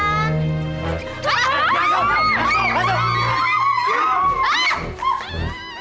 masuk masuk masuk